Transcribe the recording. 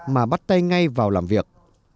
mà bắt tay làm việc